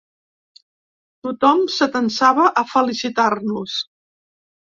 Tothom s’atansava a felicitar-nos.